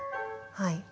はい。